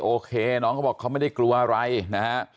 โอเคน้องเขาบอกเขาไม่ได้กลัวอะไรนะฮะ